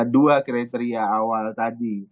dua kriteria awal tadi